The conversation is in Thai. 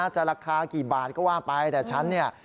จะราคากี่บาทก็ว่าไปแต่ฉันเนี่ย